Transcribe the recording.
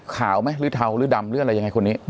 ไหมหรือเทาหรือดำหรืออะไรยังไงคนนี้